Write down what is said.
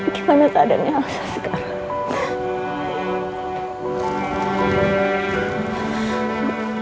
gimana keadaannya elsa sekarang